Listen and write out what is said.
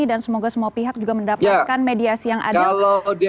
dan semoga semua pihak juga mendapatkan mediasi yang adil